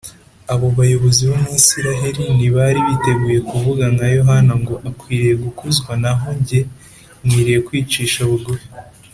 Abo bayobozi bo mw’Isiraheli ntibari biteguye kuvuga nka Yohana ngo, “Akwiriye gukuzwa, naho jye nkwiriye kwicisha bugufi